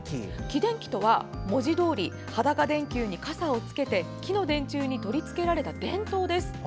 木電気とは、文字どおり裸電球にかさをつけて木の電柱に取り付けられた電灯です。